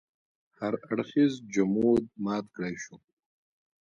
هر اړخیز جمود مات کړای شو.